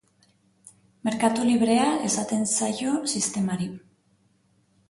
Merkatu librea esaten zaio sistemari.